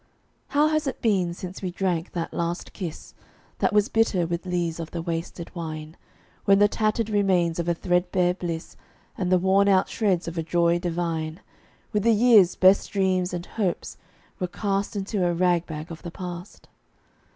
How has it been since we drank that last kiss, That was bitter with lees of the wasted wine, When the tattered remains of a threadbare bliss, And the worn out shreds of a joy divine, With a year's best dreams and hopes, were cast Into the rag bag of the Past?